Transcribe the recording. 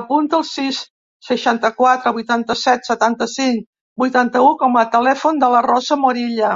Apunta el sis, seixanta-quatre, vuitanta-set, setanta-cinc, vuitanta-u com a telèfon de la Rosa Morilla.